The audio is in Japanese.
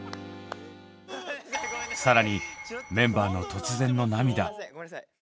更にメンバーの突然の涙。